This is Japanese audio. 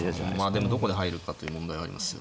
まあでもどこで入るかという問題はありますよね。